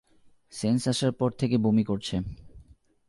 Sense আসার পর থেকে বমি করছে।